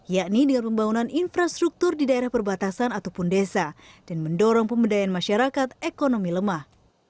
yakni dengan pembangunan infrastruktur di daerah perbatasan ataupun desa dan mendorong pemberdayaan masyarakat ekonomi lemah